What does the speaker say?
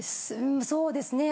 そうですね。